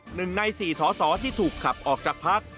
หนึ่งใน๔สอที่ถูกขับออกจากพรรค